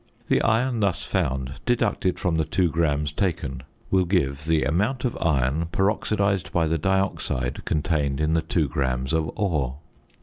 The iron thus found, deducted from the 2 grams taken, will give the amount of iron peroxidised by the dioxide contained in the 2 grams of ore.